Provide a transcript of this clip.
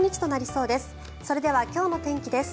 それでは今日の天気です。